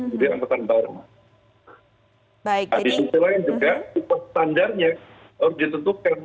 di sisi lain juga upah standarnya harus ditentukan